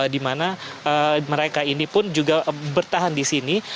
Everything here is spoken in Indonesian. di mana mereka ini pun juga bertahan di sini